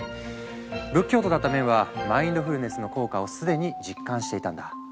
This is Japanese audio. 仏教徒だったメンはマインドフルネスの効果を既に実感していたんだ。